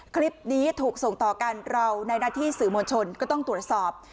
คลิปนี้ถูกส่งต่อกันเราในหน้าที่สื่อมวลชนก็ต้องตรวจสอบ